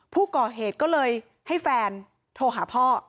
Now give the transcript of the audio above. ผู้ก่อเหตุก็เลยให้แฟนโทรหาพ่อ